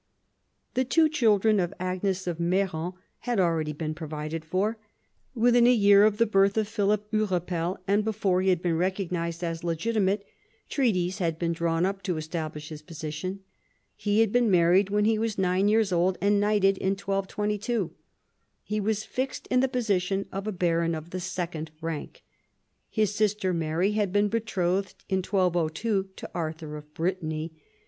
The two children of Agnes of Meran had already been provided for. Within a year of the birth of Philip Hurepel, and before he had been recognised as legitimate, treaties had been drawn up to establish his position. He had been married when he was nine years old and knighted in 1222. He was fixed in the position of a baron of the second rank. His sister Mary had been betrothed in 1202 to Arthur of Brittany.